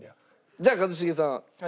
じゃあ一茂さん